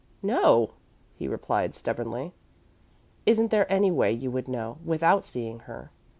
"No," he replied, stubbornly. "Isn't there any way you would know, without seeing her?"